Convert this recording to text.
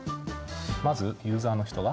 まずユーザーの人は？